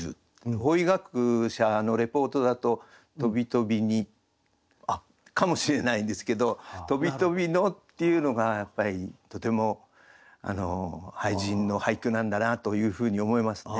法医学者のレポートだと「とびとびに」かもしれないんですけど「とびとびの」っていうのがやっぱりとても俳人の俳句なんだなというふうに思いますね。